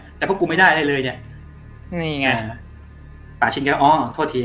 แต่พวกกูไม่ได้อะไรเลยเนี่ยนี่ไงป่าชินแกอ๋อโทษที